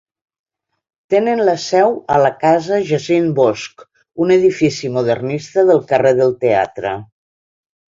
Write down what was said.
Tenen la seu a la casa Jacint Bosch, un edifici modernista del carrer del Teatre.